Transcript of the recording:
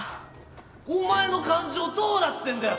お前の感情どうなってんだよ！